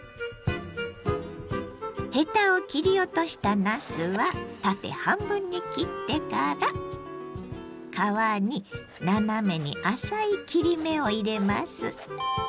ヘタを切り落としたなすは縦半分に切ってから皮に斜めに浅い切り目を入れます。